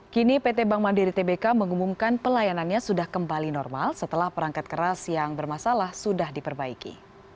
kini pt bank mandiri tbk mengumumkan pelayanannya sudah kembali normal setelah perangkat keras yang bermasalah sudah diperbaiki